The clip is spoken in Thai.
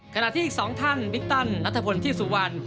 ขณะที่อีก๒ท่านบิ๊กตันนัทพลที่สุวรรณ